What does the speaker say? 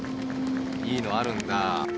いいのあるんだ。